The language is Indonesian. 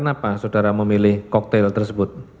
kenapa saudara memilih cocktail tersebut